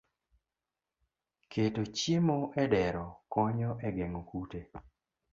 Keto chiemo e dero konyo e geng'o kute